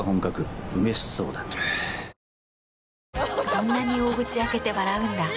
そんなに大口開けて笑うんだ。